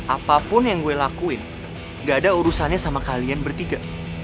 apapun yang gue lakuin gak ada urusannya sama kalian bertiga